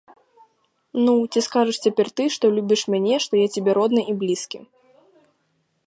Ну, ці скажаш цяпер ты, што любіш мяне, што я табе родны і блізкі?